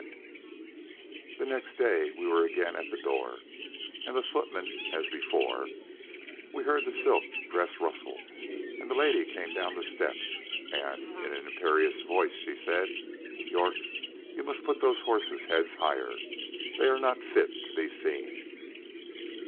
The next day we were again at the door, and the footmen as before; we heard the silk dress rustle, and the lady came down the steps, and in an imperious voice, she said, "York, you must put those horses' heads higher, they are not fit to be seen."